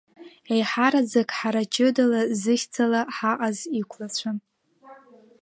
Еиҳараӡак ҳара ҷыдала зыхьӡала ҳаҟаз иқәлацәа.